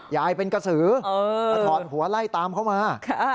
ยายเป็นกระสือมาถอดหัวไล่ตามเขามา